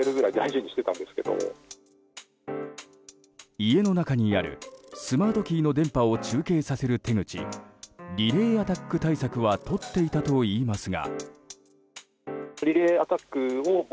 家の中にあるスマートキーの電波を中継させる手口リレーアタック対策はとっていたといいますが。